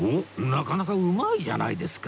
なかなかうまいじゃないですか